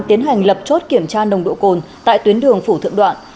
tiến hành lập chốt kiểm tra nồng độ cồn tại tuyến đường phủ thượng đoạn